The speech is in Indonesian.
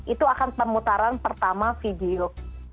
itu akan pemutaran pertama video